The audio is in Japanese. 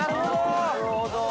◆なるほど！